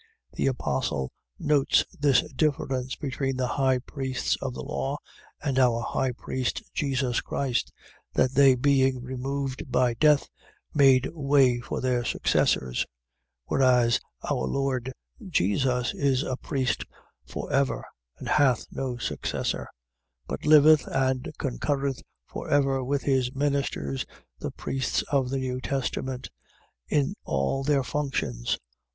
.The apostle notes this difference between the high priests of the law, and our high priest Jesus Christ; that they being removed by death, made way for their successors; whereas our Lord Jesus is a priest for ever, and hath no successor; but liveth and concurreth for ever with his ministers, the priests of the new testament, in all their functions.